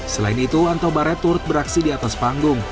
selain itu antobaret turut beraksi di atas panggung